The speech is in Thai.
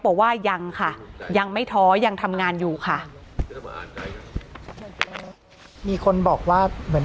บอกว่ายังค่ะยังไม่ท้อยังทำงานอยู่ค่ะมีคนบอกว่าเหมือน